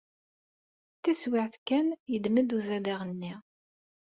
Taswiɛt kan, yedrem-d uzadaɣ-nni.